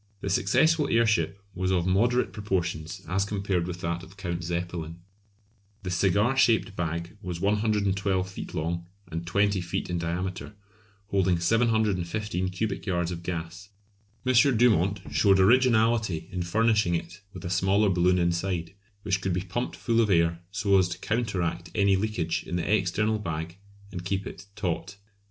The successful airship was of moderate proportions as compared with that of Count Zeppelin. The cigar shaped bag was 112 feet long and 20 feet in diameter, holding 715 cubic yards of gas. M. Dumont showed originality in furnishing it with a smaller balloon inside, which could be pumped full of air so as to counteract any leakage in the external bag and keep it taut.